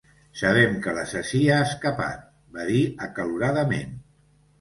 "Sabem que l'assassí ha escapat", va dir acaloradament.